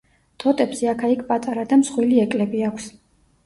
ტოტებზე აქა-იქ პატარა და მსხვილი ეკლები აქვს.